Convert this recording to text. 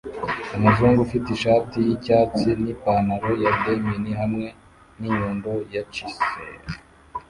Umuzungu ufite ishati yicyatsi nipantaro ya denim hamwe ninyundo na chisel